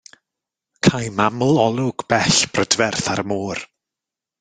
Caem aml olwg bell brydferth ar y môr.